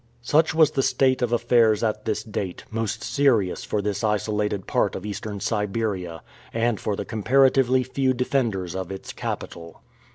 Such was the state of affairs at this date, most serious for this isolated part of Eastern Siberia, and for the comparatively few defenders of its capital.